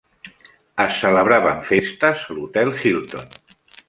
Es celebraven festes a l'hotel Hilton.